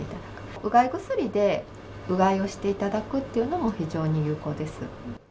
うがい薬でうがいをしていただくというのも、非常に有効です。